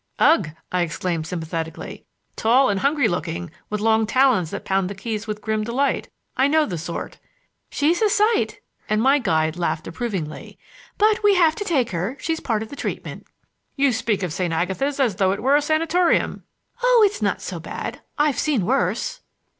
"Ugh!" I exclaimed sympathetically. "Tall and hungry looking, with long talons that pound the keys with grim delight. I know the sort." "She's a sight!"—and my guide laughed approvingly. "But we have to take her; she's part of the treatment." "You speak of St. Agatha's as though it were a sanatorium." "Oh, it's not so bad! I've seen worse."